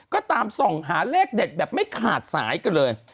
ก็ตามส่องหาเลขเด็ดแบบไม่ขาดสายกันเลย